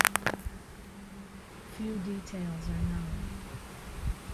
Few details are known.